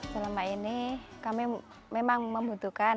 selama ini kami memang membutuhkan